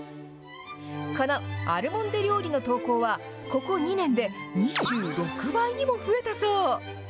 このアルモンデ料理の投稿は、ここ２年で２６倍にも増えたそう。